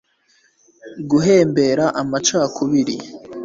guhembera amacakubiri